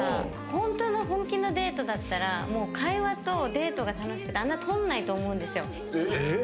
ホントの本気のデートだったらもう会話とデートが楽しくてあんな撮んないと思うんですよえっ？